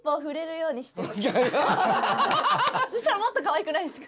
そうしたらもっとかわいくないですか？